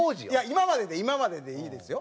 今まで今まででいいですよ。